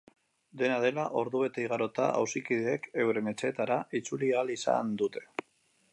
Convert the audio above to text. Dena dela, ordubete igarota, auzokideek euren etxeetara itzuli ahal izan dute.